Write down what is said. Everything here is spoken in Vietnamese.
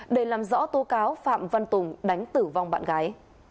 để làm rõ tố cáo phạm văn tùng đánh tử vong bạn gái